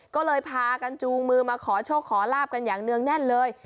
ก็เลยพากันจูงมือมาขอโชคขอลาบกันอย่างเนื่องแน่นเลย